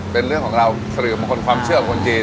เป็นเรื่องของเราสิริมงคลความเชื่อของคนจีน